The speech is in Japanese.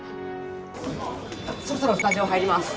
そろそろスタジオ入ります。